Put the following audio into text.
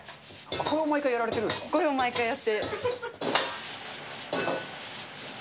これを毎回、やられてるんでこれを毎回やって。